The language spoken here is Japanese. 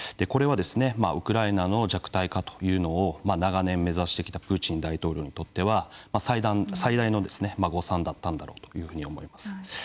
これはですねウクライナの弱体化というのを長年目指してきたプーチン大統領にとっては最大の誤算だったんだろうというふうに思います。